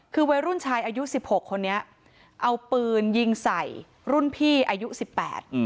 คือวัยรุ่นชายอายุสิบหกคนนี้เอาปืนยิงใส่รุ่นพี่อายุสิบแปดอืม